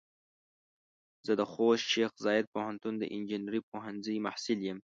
زه د خوست شیخ زايد پوهنتون د انجنیري پوهنځۍ محصل يم.